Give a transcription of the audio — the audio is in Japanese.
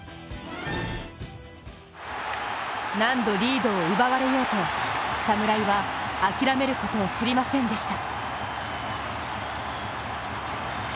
何度リードを奪われようと、侍は諦めることを知りませんでした。